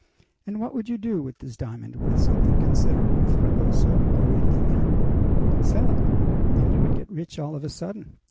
"And what would you do with this diamond worth something considerable, Fragoso?" queried Lina. "Sell it!" "Then you would get rich all of a sudden!"